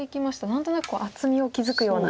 何となく厚みを築くような。